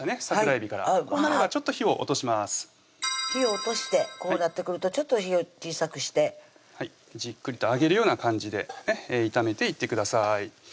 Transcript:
桜えびからこうなればちょっと火を落とします火を落としてこうなってくるとちょっと火を小さくしてじっくりと揚げるような感じで炒めていってください